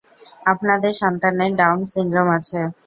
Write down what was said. আপনাদের সন্তানের Down syndrome আছে।